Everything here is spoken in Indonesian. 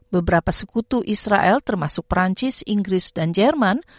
beberapa sekutu israel termasuk perancis inggris dan jerman